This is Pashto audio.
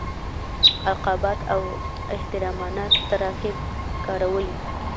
القابات او احترامانه تراکیب کارولي.